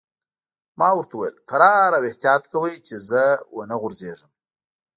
ما ورته وویل: کرار او احتیاط کوئ، چې زه و نه غورځېږم.